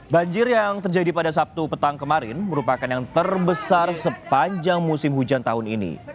banjir yang terjadi pada sabtu petang kemarin merupakan yang terbesar sepanjang musim hujan tahun ini